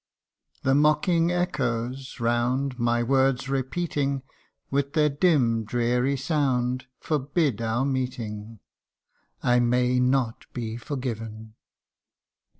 The mocking echoes round, My words repeating With their dim dreary sound, Forbid our meeting I may not be forgiven